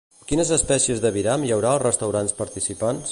Quines espècies d'aviram hi haurà als restaurants participants?